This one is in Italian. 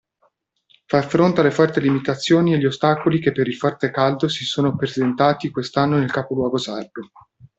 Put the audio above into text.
Far fronte alle forti limitazioni e gli ostacoli che per il forte caldo si sono presentati quest'anno nel capoluogo Sardo.